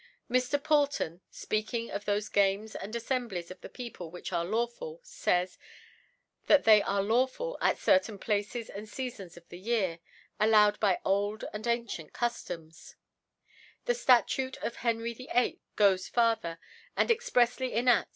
Mr. Pul^ 40M * rpeakiog of thofe Games and AU iemblies of the People which are lawfu}^ iays, that they arc lawful at certain Pieces and Seafons of the Year^ allowed by old and ancient 0}ftc»ms, The Statute of Hetr^ VIII. t goes ffiriher^ and exprefly enad?